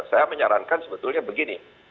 saya menyarankan sebetulnya begini